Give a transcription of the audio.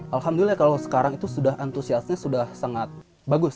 alhamdulillah kalau sekarang itu sudah antusiasnya sudah sangat bagus